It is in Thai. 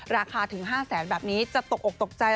ราคาถึง๕แสนแบบนี้จะตกอกตกใจ